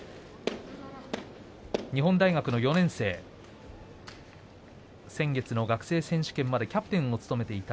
日本大学の４年生先月の学生選手権までキャプテンを務めていた。